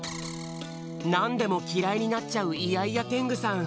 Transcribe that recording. なんでもきらいになっちゃうイヤイヤテングさん。